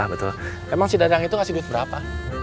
emang si dadang itu kasih duit berapa